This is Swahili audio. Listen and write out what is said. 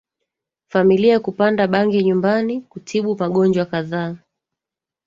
familia kupanda bangi nyumbani kutibu magonjwa kadhaa